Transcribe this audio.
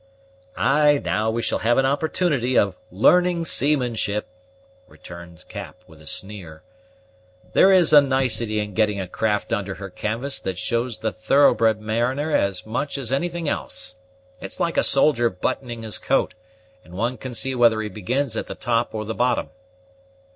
"Ay, now we shall have an opportunity of learning seamanship," returned Cap, with a sneer. "There is a nicety in getting a craft under her canvas that shows the thoroughbred mariner as much as anything else. It's like a soldier buttoning his coat, and one can see whether he begins at the top or the bottom."